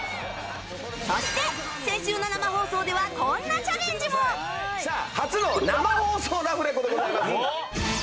そして先週の生放送ではこんなチャレンジもさあ初の生放送ラフレコでございます。